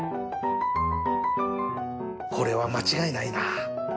これは間違いないな